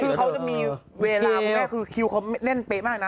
คือเขาจะมีเวลาคุณแม่คือคิวเขาเล่นเป๊ะมากนะ